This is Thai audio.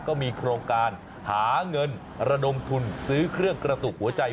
ก็มีโครงการหาเงินระดมทุนซื้อเครื่องกระตุกหัวใจ